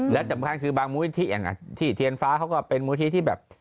และสำคัญคือบางมูลนิธิอย่างที่เทียนฟ้าเขาก็เป็นมูลที่แบบ